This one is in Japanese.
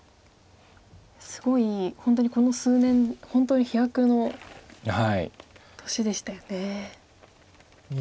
すごい本当にこの数年本当に飛躍の年でしたよね。